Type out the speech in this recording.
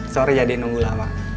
sorry ya di nunggu lama